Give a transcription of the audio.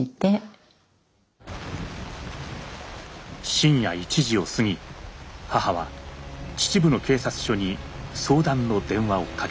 深夜１時をすぎ母は秩父の警察署に相談の電話をかけた。